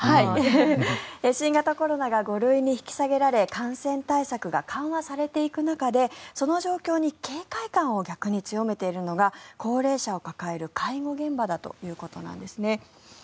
新型コロナが５類に引き下げられ感染対策が緩和されていく中でその状況に警戒感を逆に強めているのが高齢者を抱える介護現場だということです。